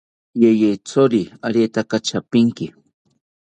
Yeyithori aretaka chapinki